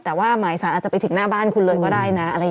แต่ว่าหมายสารอาจจะไปถึงหน้าบ้านคุณเลยก็ได้นะ